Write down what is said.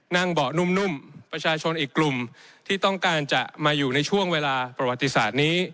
เบาะนุ่มประชาชนอีกกลุ่มที่ต้องการจะมาอยู่ในช่วงเวลาประวัติศาสตร์นี้